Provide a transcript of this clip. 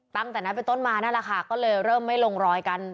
ตั้งแต่นั้นเป็นต้นมานั่นแหละค่ะก็เลยเริ่มไม่ลงรอยกัน